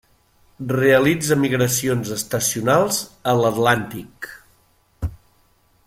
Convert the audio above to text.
Realitza migracions estacionals a l'Atlàntic.